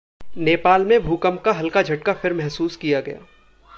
नेपाल में भूकंप का हल्का झटका फिर महसूस किया गया